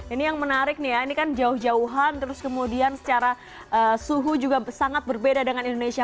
ini yang menarik nih ya ini kan jauh jauhan terus kemudian secara suhu juga sangat berbeda dengan indonesia